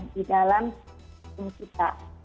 di dalam hukum kita